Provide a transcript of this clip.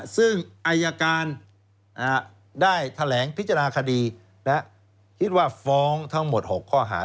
ซึ่งอายการได้แถลงพิจารณาคดีและคิดว่าฟ้องทั้งหมด๖ข้อหา